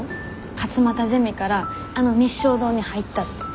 勝又ゼミからあの日粧堂に入ったって。